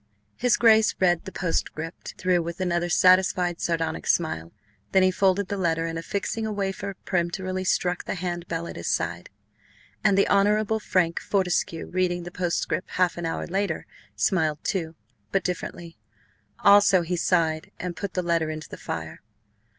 His Grace read the postscript through with another satisfied, sardonic smile. Then he folded the letter, and affixing a wafer, peremptorily struck the hand bell at his side. And the Honourable Frank Fortescue, reading the postscript half an hour later, smiled too, but differently. Also he sighed and put the letter into the fire.